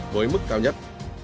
với mức cao nhất